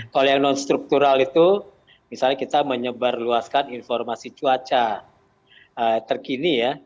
kalau yang non struktural itu misalnya kita menyebarluaskan informasi cuaca terkini ya